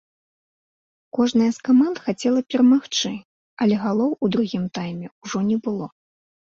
Кожная з каманд хацела перамагчы, але галоў у другім тайме ўжо не было.